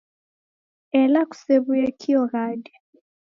Ela kusew'uye kio ghadi